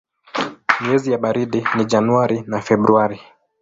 Miezi ya baridi ni Januari na Februari.